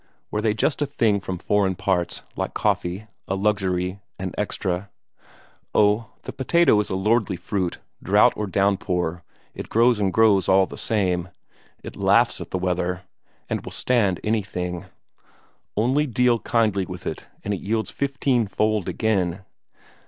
Were they just a thing from foreign parts, like coffee; a luxury, an extra? Oh, the potato is a lordly fruit; drought or downpour, it grows and grows all the same. It laughs at the weather, and will stand anything; only deal kindly with it, and it yields fifteen fold again.